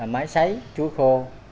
máy sấy chuối khô